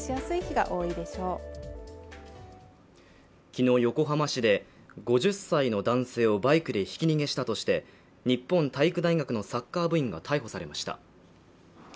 昨日横浜市で５０歳の男性をバイクでひき逃げしたとして日本体育大学のサッカー部員が逮捕されました